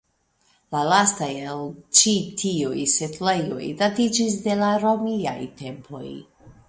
La lasta el ĉi tiuj setlejoj datiĝas de la romiaj tempoj.